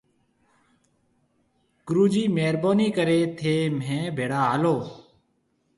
گُرو جِي مهربونِي ڪريَ ٿَي مهيَ ڀيڙا هالو۔